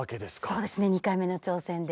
そうですね２回目の挑戦で。